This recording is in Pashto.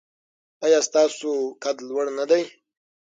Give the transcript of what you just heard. ایا ستاسو قد لوړ نه دی؟